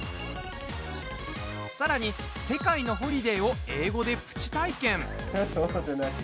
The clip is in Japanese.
さらに、世界のホリデーを英語でプチ体験。